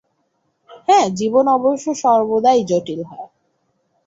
হ্যাঁ, জীবন অবশ্য সর্বদাই জটিল হয়।